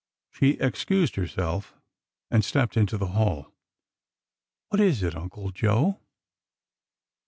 She excused herself and stepped into the hall. ''What is it. Uncle Joe?